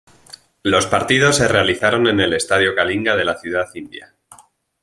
Los partidos se realizaron en el Estadio Kalinga de la ciudad india.